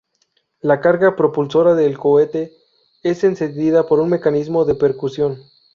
La carga propulsora del cohete es encendida por un mecanismo de percusión.